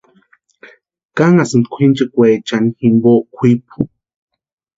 Kanhasïnti kwʼinchikwechani jimpo kwʼipu.